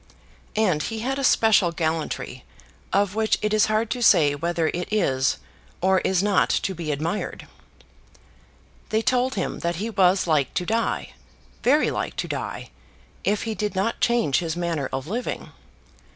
And he had a special gallantry of which it is hard to say whether it is or is not to be admired. They told him that he was like to die, very like to die, if he did not change his manner of living.